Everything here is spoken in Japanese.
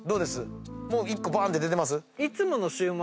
もう１個パーンって出てます？